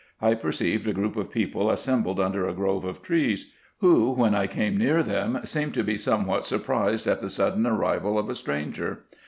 I perceived a group of people assembled under a grove of trees, who, when I came near them, seemed to be somewhat sur prised at the sudden arrival of a stranger.